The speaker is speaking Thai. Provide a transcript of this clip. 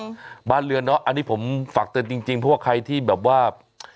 อืมบ้านเรือนเนอะอันนี้ผมฝากเตือนจริงจริงเพราะว่าใครที่แบบว่า